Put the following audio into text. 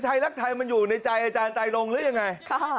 ไทยรักไทยมันอยู่ในใจอาจารย์ไตรงหรือยังไง